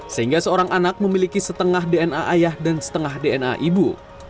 sehingga seorang anak memiliki setengah dna ayah dan setengah dna ibu